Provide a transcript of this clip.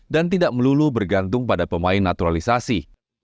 dan tidak melulu bergantung pada pemain naturalisasi